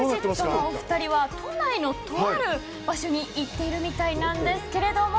ＥＸＩＴのお二人は都内のとある場所に行っているみたいなんですけれども。